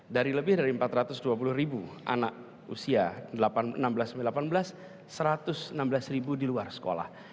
dari lebih dari empat ratus dua puluh ribu anak usia enam belas delapan belas satu ratus enam belas di luar sekolah